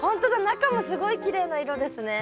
中もすごいきれいな色ですね。